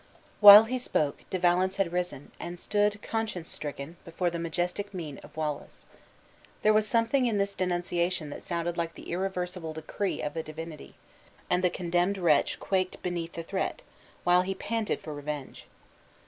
While he spoke, De Valence had risen, and stood, conscience stricken, before the majestic mien of Wallace. There was something in this denunciation that sounded like the irreversible decree of a divinity; and the condemned wretch quaked beneath the threat, while he panted for revenge.